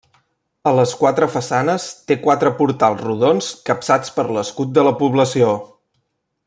A les quatre façanes té quatre portals rodons capçats per l'escut de la població.